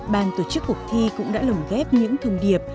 ban tổ chức cuộc thi cũng đã lồng ghép những thông điệp